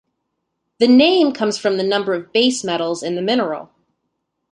The name comes from the number of base metals in the mineral.